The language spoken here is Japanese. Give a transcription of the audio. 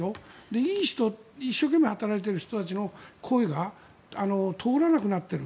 いい人、一生懸命働いている人たちの声が通らなくなっている。